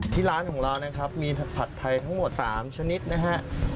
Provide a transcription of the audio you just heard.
ร้านของเรานะครับมีผัดไทยทั้งหมด๓ชนิดนะฮะ